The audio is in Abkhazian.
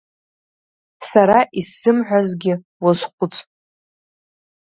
Сара исзымҳәазгьы уазхәыц.